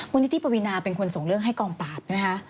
มณฑิปวินาเป็นคนส่งเรื่องให้กองปราบเนี่ยค่ะ